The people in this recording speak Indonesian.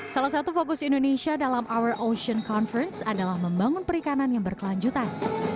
salah satu fokus indonesia dalam our ocean conference adalah membangun perikanan yang berkelanjutan